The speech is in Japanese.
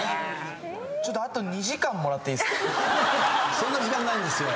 そんな時間ないんですよ。